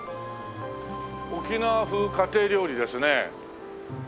「沖縄風家庭料理」ですね。